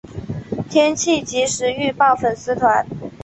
天气即时预报粉丝团